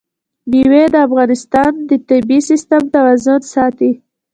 مېوې د افغانستان د طبعي سیسټم توازن ساتي.